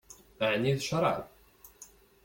Ɛni d ccṛab?